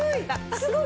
すごい！